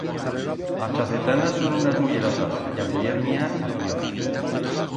As chacetanas son unas mullerazas, y a muller mía a pior.